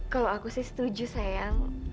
kalau aku sih setuju sayang